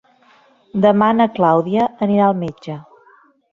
Demà na Clàudia anirà al metge.